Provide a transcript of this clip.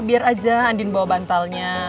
biar aja andin bawa bantalnya